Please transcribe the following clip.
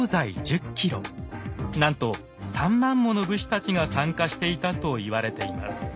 なんと３万もの武士たちが参加していたと言われています。